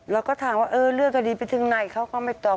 เราก็ถามว่าเออเรื่องคดีไปถึงไหนเขาก็ไม่ตอบ